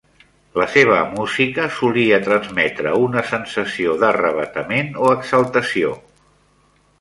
La seva música solia transmetre una sensació d'arravatament o exaltació.